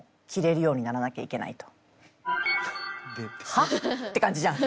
「はっ？」て感じじゃん。